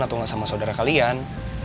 atau nggak sama saudara kalian